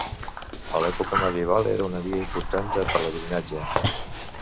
A l'època medieval era una via important de pelegrinatge.